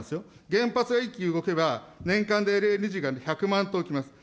原発が１基動けば、年間でＬＮＧが１００万トン浮きます。